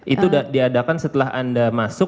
itu diadakan setelah anda masuk